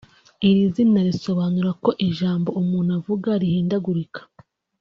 Iri zina risobanura ko ijambo umuntu avuga rihindagurika